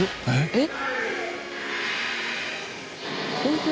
えっ？